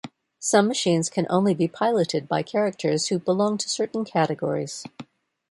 Some machines can only be piloted by characters who belong to certain categories.